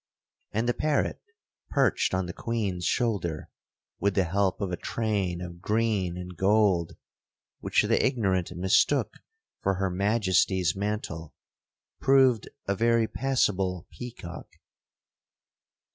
And the parrot perched on the queen's shoulder, with the help of a train of green and gold, which the ignorant mistook for her majesty's mantle, proved a very passable peacock.